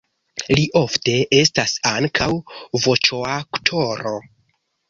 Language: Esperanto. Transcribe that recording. Li ofte estas ankaŭ voĉoaktoro.